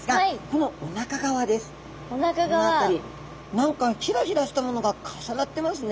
何かヒラヒラしたものが重なってますね。